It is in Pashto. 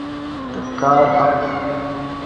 د کار حق